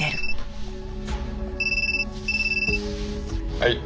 はい。